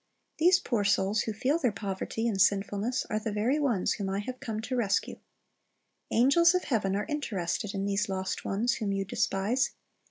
These poor souls who feel their poverty and sinfulness, are the very ones whom I have come to rescue. Angels of heaven are interested in these lost ones whom you despise.